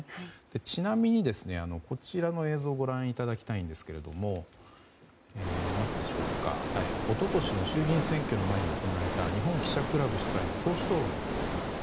ちなみに、こちらの映像をご覧いただきたいんですが一昨年の衆議院選挙の前に行われた日本記者クラブ主催の党首討論の様子です。